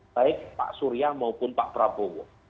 baik pak surya maupun pak prabowo